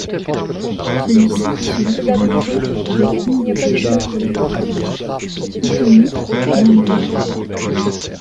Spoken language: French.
Celui-ci se lie d'amitié avec une de ses jeunes collègues de travail, Hitomi Momoī.